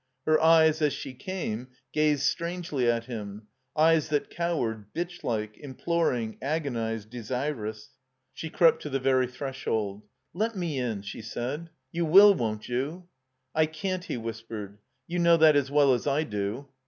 Her eyes, as she came, gazed strangely at him; eyes that cowered, bitchlike, imploring, agonized, dedrous. She crept to the very threshold. Let me in," she said. "You will, won't you?" "I can%" he whispered. You know that as well as I do."